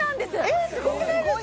えっすごくないですか？